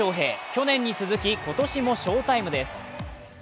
去年に続き、今年もショータイムです。